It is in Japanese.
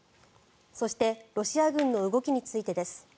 そしてロシア軍の動きについてです。